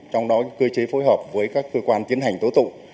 trong đó cơ chế phối hợp với các cơ quan tiến hành tố tụng